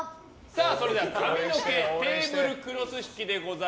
それでは髪の毛テーブルクロス引きです。